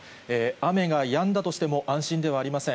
雨がやんだとしても安心ではありません。